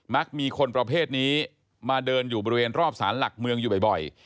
มีคนประเภทนี้มาเดินอยู่บริเวณรอบสารหลักเมืองอยู่บ่อย